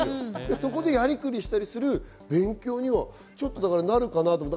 そこでやりくりしたりする、勉強にもちょっとなるかなと思って。